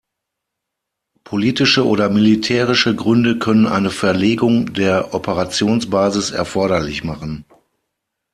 Politische oder militärische Gründe können eine Verlegung der Operationsbasis erforderlich machen.